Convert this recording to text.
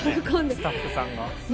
スタッフさんが。